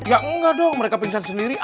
ya enggak dong mereka pencet sendiri